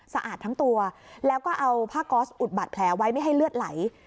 สะอาดทั้งตัวแล้วก็เอาผ้าก๊อสอุดบาดแผลไว้ไม่ให้เลือดไหล